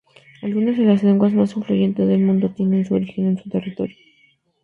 Algunas de las lenguas más influyentes del mundo tienen su origen en su territorio.